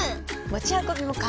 持ち運びも簡単！